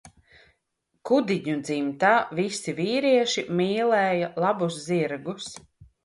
Kudiņu dzimtā visi vīrieši mīlēja labus zirgus.